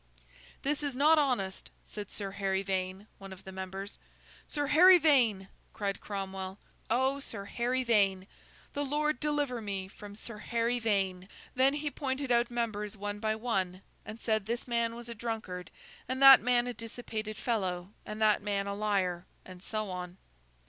'This is not honest,' said Sir Harry Vane, one of the members. 'Sir Harry Vane!' cried Cromwell; 'O, Sir Harry Vane! The Lord deliver me from Sir Harry Vane!' Then he pointed out members one by one, and said this man was a drunkard, and that man a dissipated fellow, and that man a liar, and so on.